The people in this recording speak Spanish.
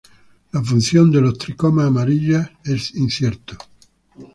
La función de los tricomas amarillas es incierto.